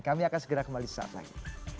kami akan segera kembali saat lagi